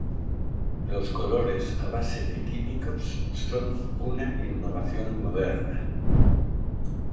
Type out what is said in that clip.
Los colores a base de químicos son una innovación moderna.